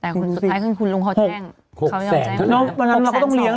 แต่สุดท้ายคือคุณลุงเขาแจ้ง